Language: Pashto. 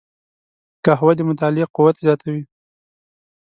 قهوه د مطالعې قوت زیاتوي